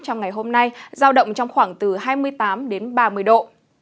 trong ngày hôm nay giao động trong khoảng từ hai mươi tám đến ba mươi độ